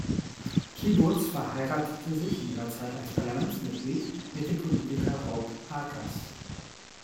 Kyburz verheiratete sich in ihrer Zeit als Parlamentsmitglied mit dem Politiker Rob Akers.